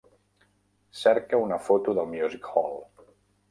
Cerca una foto del Music Hole.